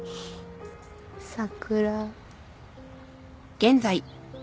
桜